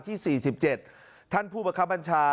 ที่๔๗ท่านผู้ประคับบัญชา